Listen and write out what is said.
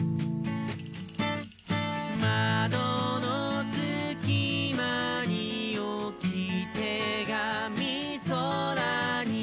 「まどのすきまにおきてがみそらに」